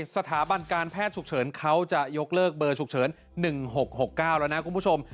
สถาบันการแพทย์ฉุกเฉินเขาจะยกเลิกเบอร์ฉุกเฉิน๑๖๖๙แล้วนะคุณผู้ชม